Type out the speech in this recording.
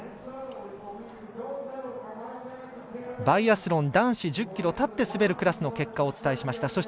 バイアスロン男子１０ｋｍ立って滑るクラスの結果をお伝えしました。